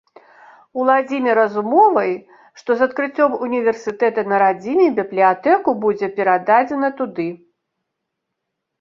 Уладзіміра з умовай, што з адкрыццём універсітэта на радзіме, бібліятэку будзе перададзена туды.